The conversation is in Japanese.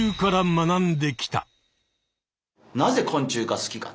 なぜ昆虫が好きか。